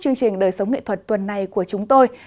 chương trình đời sống nghệ thuật tuần này của chúng tôi